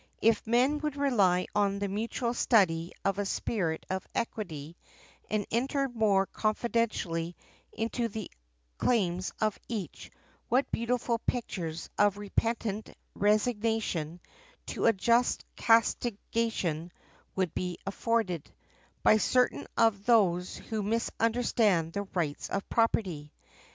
If men would rely on the mutual study of a spirit of equity, and enter more confidentially into the claims of each, what beautiful pictures, of repentant resignation to a just castigation, would be afforded, by certain of those who misunderstand the rights of property.